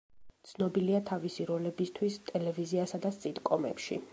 ცნობილია თავისი როლებისთვის ტელევიზიასა და სიტკომებში.